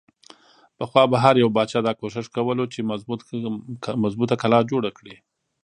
پخوا به هر يو باچا دا کوښښ کولو چې مضبوطه قلا جوړه کړي۔